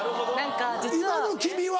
今の君は？